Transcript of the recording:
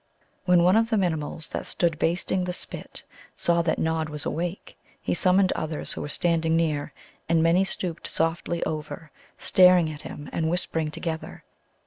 When one of the Minimuls that stood basting the spit saw that Nod was awake he summoned others who were standing near, and many stooped softly over, staring at him, and whispering together.